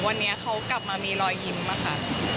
วันนี้เขากลับมามีรอยยิ้มอะค่ะ